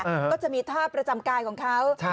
ก็จะมีท่าประจำกายของเขา